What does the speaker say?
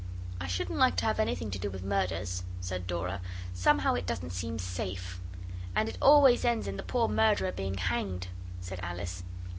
'I shouldn't like to have anything to do with murders,' said Dora; 'somehow it doesn't seem safe ' 'And it always ends in the poor murderer being hanged,' said Alice.